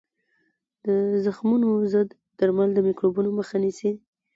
د زخمونو ضد درمل د میکروبونو مخه نیسي.